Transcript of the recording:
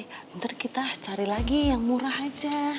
nanti kita cari lagi yang murah aja